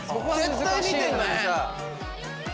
絶対見てんのにさ。